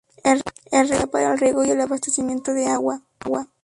El río se utiliza para el riego y abastecimiento de agua.